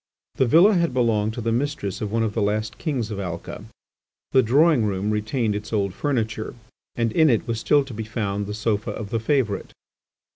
The villa had belonged to the mistress of one of the last Kings of Alca: the drawing room retained its old furniture, and in it was still to be found the Sofa of the Favourite.